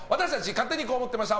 勝手にこう思ってました！